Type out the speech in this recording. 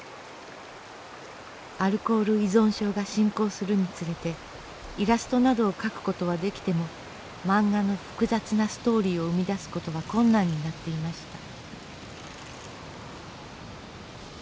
アルコール依存症が進行するにつれてイラストなどを描くことはできても漫画の複雑なストーリーを生み出すことは困難になっていました。